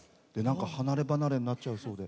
離れ離れになっちゃうそうで。